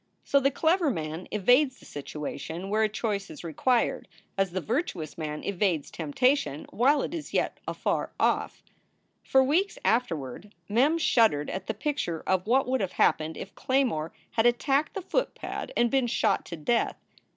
So the clever man evades the situation where a choice is required, as the virtuous man evades temptation while it is yet afar off. For weeks afterward Mem shuddered at the picture of what would have happened if Claymore had attacked the footpad and been shot to death.